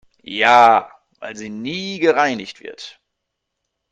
Ja, weil sie nie gereinigt wird.